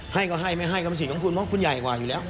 ให้ก็ให้ไม่ให้ก็เป็นสิทธิ์ของคุณเพราะคุณใหญ่กว่าอยู่แล้ว